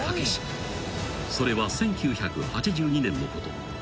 ［それは１９８２年のこと］